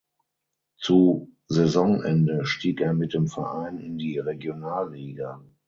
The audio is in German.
Zu Saisonende stieg er mit dem Verein in die Regionalliga.